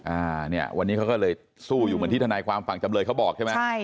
อ่าเนี่ยวันนี้เขาก็เลยสู้อยู่เหมือนที่ทนายความฝั่งจำเลยเขาบอกใช่ไหมใช่